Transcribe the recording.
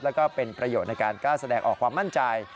แล้วก็เป็นประโยชน์ในการกล้าแสดงออกความมั่นใจ